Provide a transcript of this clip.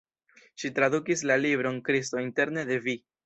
Ŝi tradukis la libron "Kristo interne de vi".